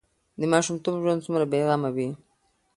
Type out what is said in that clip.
د ماشومتوب ژوند څومره بې غمه وي.